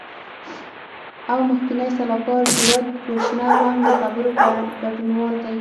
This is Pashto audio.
او مخکینی سلاکار جیراد کوشنر هم د خبرو ګډونوال دی.